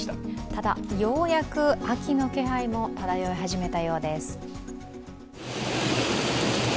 ただ、ようやく秋の気配も漂い始めたようです。